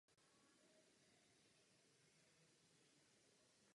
Opravdu potřebují finanční trhy další regulaci?